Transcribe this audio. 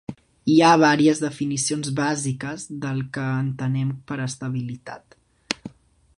Hi ha vàries definicions bàsiques del que entenem per estabilitat.